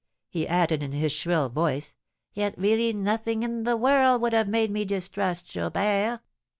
he added, in his shrill voice. "Yet, really, nothing in the world would have made me distrust Jobert."